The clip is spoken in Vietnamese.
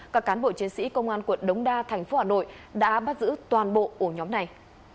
các cán bộ chiến sĩ công an quận đống đa thành phố hà nội đã bắt giữ toàn bộ ổ nhóm này